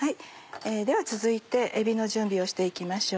では続いてえびの準備をして行きましょう。